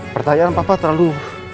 pertanyaan papa terlalu